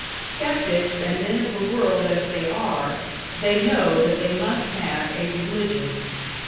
Skeptics and men of the world as they are, they know that they must have a Religion.